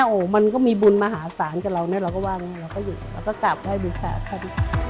โอ้โหมันก็มีบุญมหาศาลกับเราเนี่ยเราก็ว่าอย่างนี้เราก็อยู่เราก็กลับให้บุญชาคัน